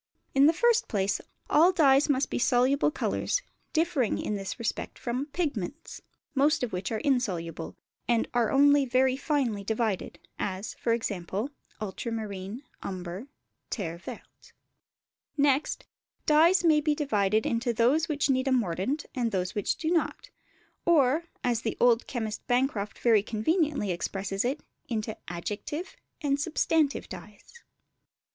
In the first place, all dyes must be soluble colours, differing in this respect from pigments; most of which are insoluble, and are only very finely divided, as, e.g., ultramarine, umber, terre verte. Next, dyes may be divided into those which need a mordant and those which do not; or, as the old chemist Bancroft very conveniently expresses it, into adjective and substantive dyes.